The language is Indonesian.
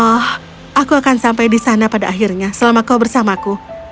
oh aku akan sampai di sana pada akhirnya selama kau bersamaku